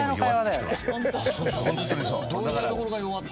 「どういうところが弱って」